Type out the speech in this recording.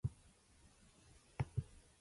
The luck of it, the luck of it!